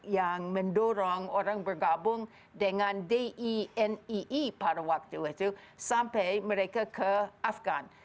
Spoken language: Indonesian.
yang mendorong orang bergabung dengan dinee pada waktu itu sampai mereka ke afgan